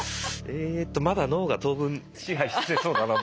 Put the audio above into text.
えとまだ脳が当分支配してそうだな